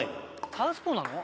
サウスポーなの？